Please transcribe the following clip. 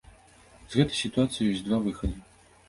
З гэтай сітуацыі ёсць два выхады.